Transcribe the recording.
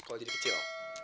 kalau jadi kecil